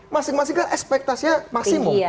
masing masing kan ekspektasinya maksimum